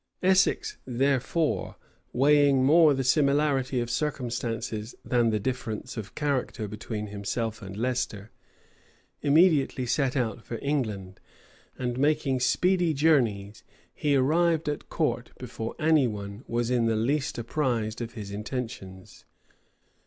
[*] Essex, therefore, weighing more the similarity of circumstances than the difference of character between himself and Leicester, immediately set out for England; and making speedy journeys, he arrived at court before any one was in the least apprised of his intentions.